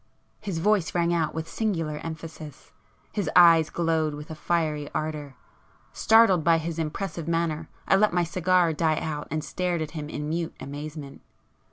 His voice rang out with singular emphasis,—his eyes glowed with a fiery ardour; startled by his impressive manner I let my cigar die out and stared at him in mute amazement.